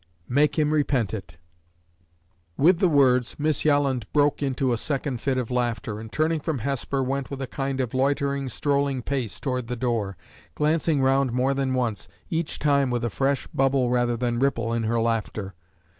"Make him repent it." With the words, Miss Yolland broke into a second fit of laughter, and, turning from Hesper, went, with a kind of loitering, strolling pace toward the door, glancing round more than once, each time with a fresh bubble rather than ripple in her laughter.